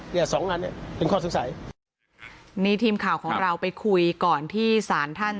เนี้ยสองอันเนี้ยเป็นข้อสงสัยนี่ทีมข่าวของเราไปคุยก่อนที่ศาลท่าน